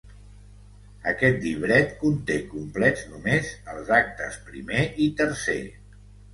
Aquest llibret conté complets només els actes primer i tercer.